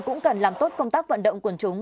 cũng cần làm tốt công tác vận động quần chúng